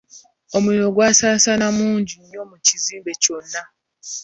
Omuliro gwasaasaana mangu nnyo mu kizimbe kyonna.